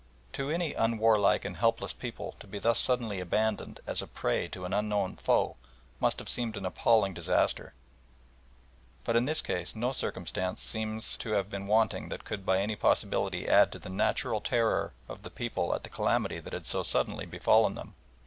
To any unwarlike and helpless people to be thus suddenly abandoned as a prey to an unknown foe must have seemed an appalling disaster, but in this case no circumstance seems to have been wanting that could by any possibility add to the natural terror of the people at the calamity that had so suddenly befallen them.